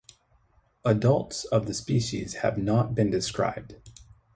Adults of the species have not been described.